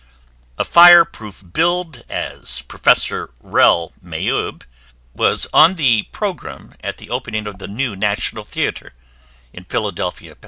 A fire proof billed as Professor Rel Maeub, was on the programme at the opening of the New National Theater, in Philadelphia, Pa.